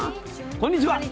こんにちは。